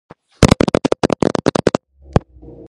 გამოვიდა მუსიკოსის გარდაცვალებიდან ერთი წლის თავზე.